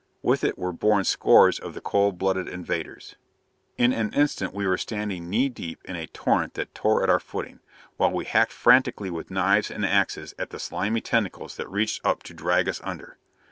With it were borne scores of the cold blooded invaders. In an instant we were standing knee deep in a torrent that tore at our footing, while we hacked frantically with knives and axes at the slimy tentacles that reached up to drag us under.